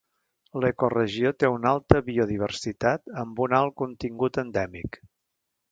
L’ecoregió té una alta biodiversitat amb un alt contingut endèmic.